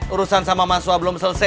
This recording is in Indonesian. urusan sama mahasiswa belum selesai